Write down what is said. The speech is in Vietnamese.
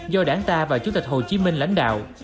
do đảng ta và chủ tịch hồ chí minh lãnh đạo